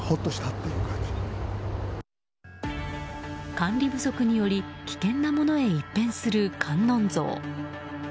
管理不足により危険なものへ一変する観音像。